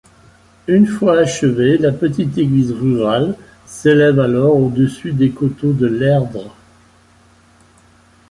Une fois achevée, la petite église rurale s'élève alors au-dessus des coteaux de l'Erdre.